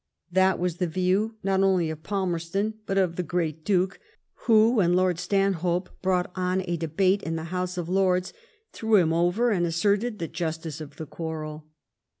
That was the view, not only of PalmerstoUj but of the great Duke, who, when Lord Stanhope brought on a debate in the House of Lords, threw him over and asserted the justice of the quarrel.